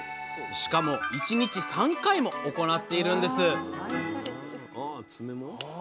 しかも１日３回も行っているんです